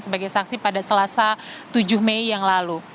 sebagai saksi pada selasa tujuh mei yang lalu